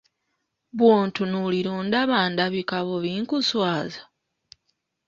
Bw'ontunuulira ondaba ndabika bubi nkuswaza?